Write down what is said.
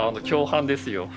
共犯ですよ。